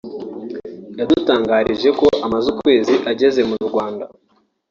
yadutangarije ko amaze ukwezi ageze mu Rwanda